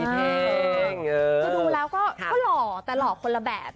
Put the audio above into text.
ก็ดูแล้วค่อยหล่อแต่หล่อคนละแบบ